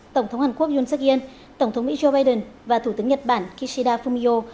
tổng thống hàn quốc yoon seok in tổng thống mỹ joe biden và thủ tướng nhật bản kishida fumio